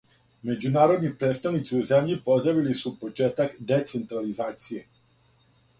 Међународни представници у земљи поздравили су почетак децентрализације.